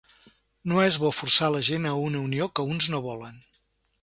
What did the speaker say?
No és bo forçar la gent a una unió que uns no volen.